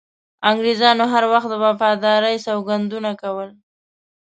انګریزانو هر وخت د وفادارۍ سوګندونه کول.